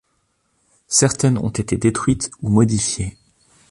Certaines ont été détruites ou modifiées.